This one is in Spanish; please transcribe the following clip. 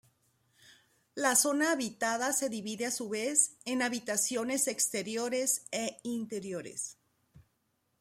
La zona habitada se divide a su vez en habitaciones exteriores e interiores.